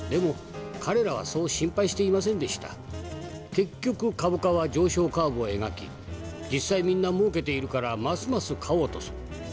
結局株価は上昇カーブを描き実際みんなもうけているからますます買おうとする。